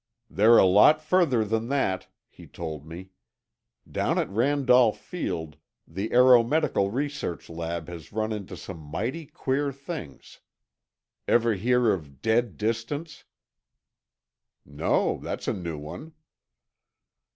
"They're a lot further than that" he told me. "Down at Randolph Field, the Aero Medical research lab has run into some mighty queer things. Ever hear of 'dead distance'?" "No, that's a new one."